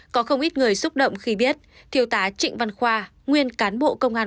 có không ít người xúc động khi biết thiêu tá trịnh văn khoa nguyên cán bộ công an